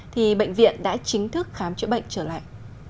thì bệnh viện đã chính thức khám chữa bệnh trở lại